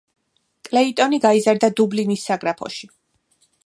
კლეიტონი გაიზარდა დუბლინის საგრაფოში.